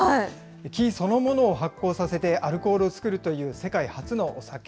木そのものを発酵させてアルコールを造るという、世界初のお酒。